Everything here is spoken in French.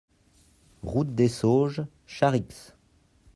Route des Sauges, Charix